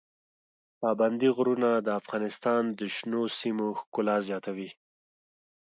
پابندي غرونه د افغانستان د شنو سیمو ښکلا زیاتوي.